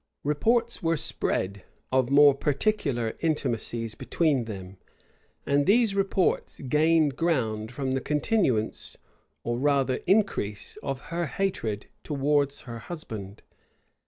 Reports were spread of more particular intimacies between them; and these reports gained ground from the continuance, or rather increase, of her hatred towards her husband.